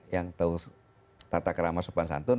yang tahu tata kerama sopan santun